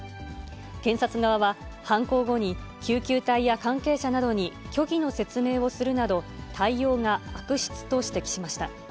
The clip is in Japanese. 検察側は、犯行後に、救急隊や関係者などに虚偽の説明をするなど、対応が悪質と指摘しました。